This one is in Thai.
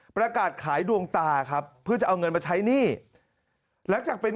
ประกาศขายดวงตาครับเพื่อจะเอาเงินมาใช้หนี้หลังจากเป็น